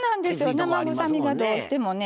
生臭みがどうしても出るので。